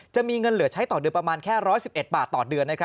จะมีเงินเหลือใช้ต่อเดือนประมาณแค่๑๑บาทต่อเดือน